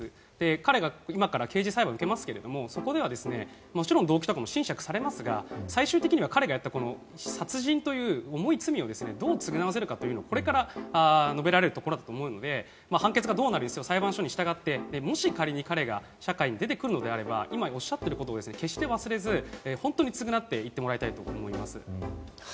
彼が今から刑事裁判を受けますがそこでは、もちろん動機とかも斟酌されますが最終的には彼がやった殺人という重い罪をどう償わせるかこれから述べられるところだと思うので判決がどうなるにせよ裁判所に従ってもし彼が仮に社会に出てくるのであれば今、おっしゃってることを決して忘れず本当に償っていってもらいたいと思います。